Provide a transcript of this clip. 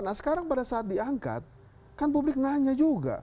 nah sekarang pada saat diangkat kan publik nanya juga